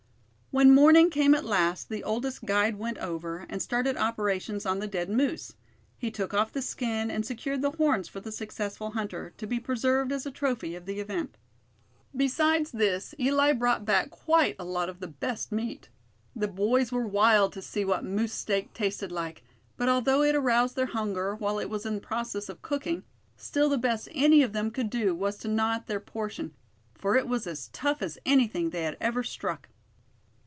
When morning came at last the oldest guide went over, and started operations on the dead moose. He took off the skin, and secured the horns for the successful hunter, to be preserved as a trophy of the event. Besides this, Eli brought back quite a lot of the best meat. The boys were wild to see what moose steak tasted like; but although it aroused their hunger while it was in process of cooking, still the best any of them could do was to gnaw at their portion, for it was as tough as anything they had ever struck.